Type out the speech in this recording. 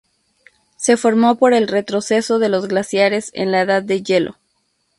Se formó por el retroceso de los glaciares en la Edad de Hielo.